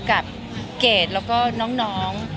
กับเกดแล้วก็น้อง